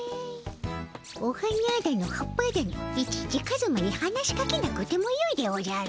お花だの葉っぱだのいちいちカズマに話しかけなくてもよいでおじゃる。